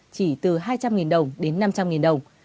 chỉ từ hai trăm linh đồng đến năm trăm linh đồng